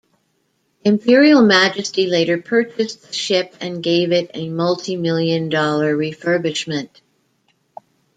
Imperial Majesty later purchased the ship and gave it a multi-million dollar refurbishment.